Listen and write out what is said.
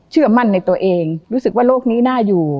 เชื่อมั่นในตัวเองรู้สึกว่าโลกนี้น่าอยู่